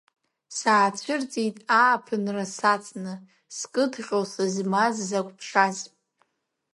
Саацәырҵит ааԥынра сацны, скыдҟьо сызмаз закә ԥшаз!